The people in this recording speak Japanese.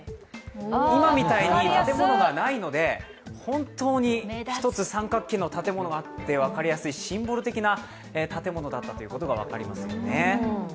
今みたいに建物がないので本当に１つ三角形の建物があって分かりやすい、シンボル的な建物だったことが分かりますよね。